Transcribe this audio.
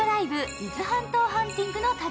伊豆半島ハンティングの旅。